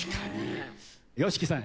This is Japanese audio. ＹＯＳＨＩＫＩさん